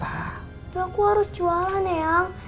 tapi aku harus jualan ya